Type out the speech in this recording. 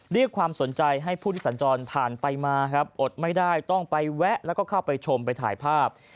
เรียกความสนใจให้ผู้ที่สัญจรผ่านไปมาครับอดไม่ได้ต้องไปแวะแล้วก็เข้าไปชมไปถ่ายภาพ